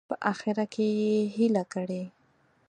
په اخره کې یې هیله کړې.